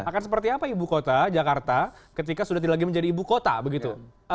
akan seperti apa ibu kota jakarta ketika sudah lagi menjadi ibu kota begitu